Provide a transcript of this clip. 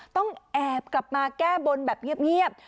ต้องแอบกลับมาแก้บนแบบเงียบ